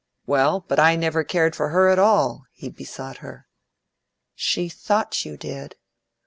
"Well, but I never cared for her at all!" he besought her. "She thought you did."